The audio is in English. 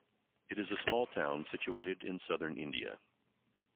It is a small town situated in southern India.